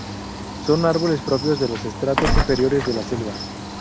Son árboles propios de los estratos inferiores de la selva.